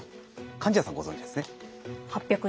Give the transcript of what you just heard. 貫地谷さんご存じですね。